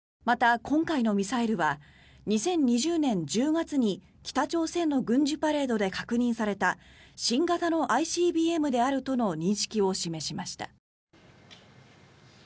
また今回のミサイルは２０２０年１０月に北朝鮮の軍事パレードで確認された新型のＩＣＢＭであるとの認識を示しました。